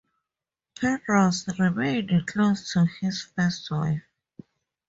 Penrose remained close to his first wife.